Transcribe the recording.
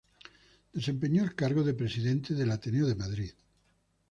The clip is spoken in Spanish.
Desempeñó el cargo de presidente del Ateneo de Madrid.